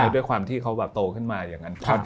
ด้วยความที่เขาโตขึ้นมาอย่างนั้น